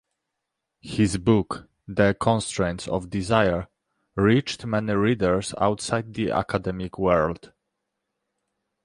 His book "The Constraints of Desire" reached many readers outside the academic world.